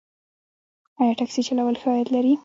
آیا ټکسي چلول ښه عاید لري؟